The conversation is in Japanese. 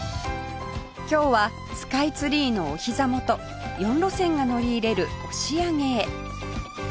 今日はスカイツリーのおひざ元４路線が乗り入れる押上へ